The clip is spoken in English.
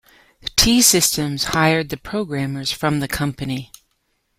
T-Systems hired the programmers from the company.